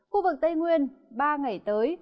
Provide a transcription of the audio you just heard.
khu vực tây nguyên ba ngày tới